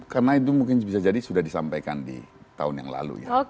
karena itu mungkin bisa jadi sudah disampaikan di tahun yang lalu